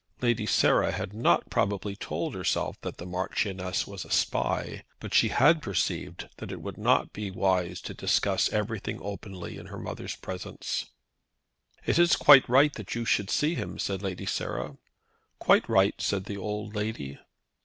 Lady Sarah had not probably told herself that the Marchioness was a spy, but she had perceived that it would not be wise to discuss everything openly in her mother's presence. "It is quite right that you should see him," said Lady Sarah. "Quite right," said the old lady.